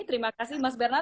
terima kasih mas bernat